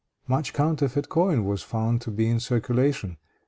Much counterfeit coin was found to be in circulation.